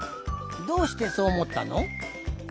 どうしてそうおもったの？